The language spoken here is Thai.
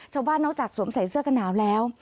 ชาวบ้านนอกจากสวมใส่เสื้อกะหนาวแล้ว